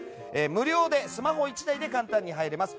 無料でスマホ１台で簡単に入れます。